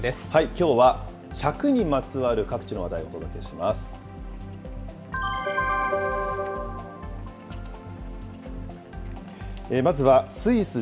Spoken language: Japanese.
きょうは１００にまつわる各地の話題をお届けします。